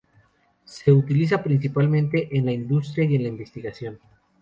Se utiliza principalmente en la industria y en la investigación.